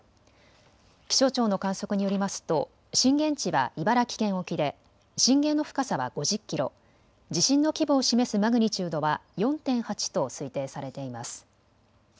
気象庁の観測によりますと震源地は茨城県沖で震源の深さは５０キロ、地震の規模を示すマグニチュードは４．８と推定されています。